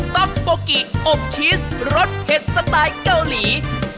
๊อกโบกิอบชีสรสเผ็ดสไตล์เกาหลี